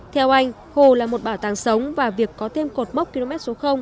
theo anh hồ là một bảo tàng sống và việc có thêm cột mốc km số